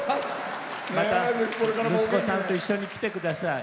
また息子さんと一緒に来てください。